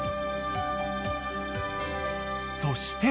［そして］